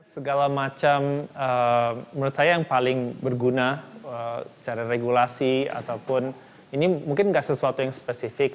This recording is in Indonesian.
segala macam menurut saya yang paling berguna secara regulasi ataupun ini mungkin nggak sesuatu yang spesifik